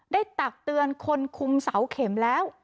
ตักเตือนคนคุมเสาเข็มแล้ว